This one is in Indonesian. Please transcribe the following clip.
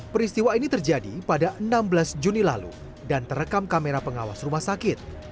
peristiwa ini terjadi pada enam belas juni lalu dan terekam kamera pengawas rumah sakit